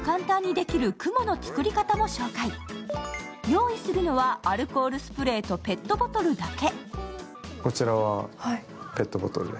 用意するのはアルコールスプレーとペットボトルだけ。